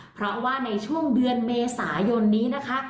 เพราะว่าในช่วงเดือนเมษายนนี้นะคะ